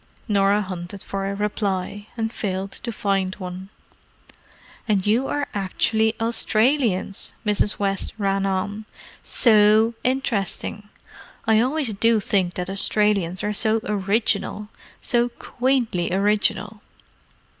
Norah hunted for a reply, and failed to find one. "And you are actually Australians!" Mrs. West ran on. "So interesting! I always do think that Australians are so original—so quaintly original.